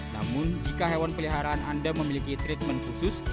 namun jika hewan peliharaan anda memiliki treatment khusus